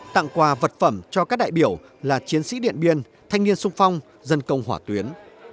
tặng quà vật phẩm cho các đại biểu là chiến sĩ điện biên thanh niên sung phong dân công hỏa tuyến